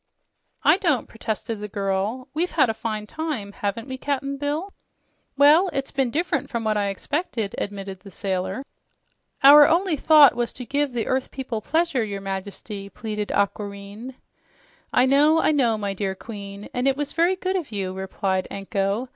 "I don't," protested the girl. "We've had a fine time, haven't we, Cap'n Bill?" "Well, it's been diff'rent from what I expected," admitted the sailor. "Our only thought was to give the earth people pleasure, your Majesty," pleaded Aquareine. "I know, I know, my dear Queen, and it was very good of you," replied Anko.